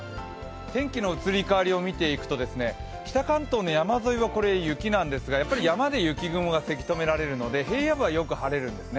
天気の移り変わりを見ていくと、北関東の山沿いは雪なんですけど山で雪雲がせき止められるので平野部はよく晴れるんですね。